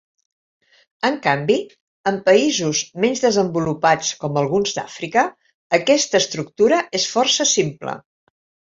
En canvi, en països menys desenvolupats com alguns d'Àfrica aquesta estructura és força simple.